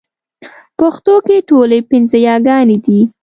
پښتو کې ټولې پنځه يېګانې دي